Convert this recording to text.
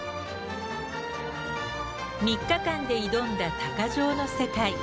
３日間で挑んだ鷹匠の世界。